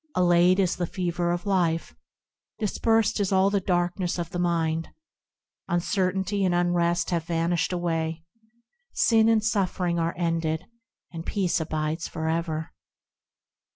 Allayed is the fever of life ; Dispersed is all the darkness of the mind; Uncertainty and unrest have vanished away; Sin and suffering are ended, and peace abides for ever.